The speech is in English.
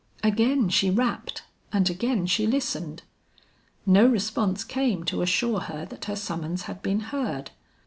Again she rapped and again she listened. No response came to assure her that her summons had been heard.